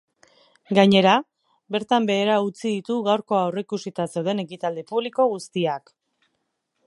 Gainera, bertan behera utzi ditu gaurko aurreikusita zeuden ekitaldi publiko guztiak.